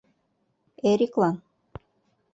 — Эриклан.